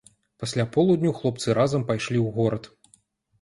Пасля полудню хлопцы разам пайшлі ў горад.